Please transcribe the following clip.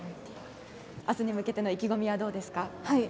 明日に向けての意気込みはどうですか。